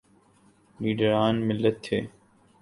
لیڈران ملت تھے۔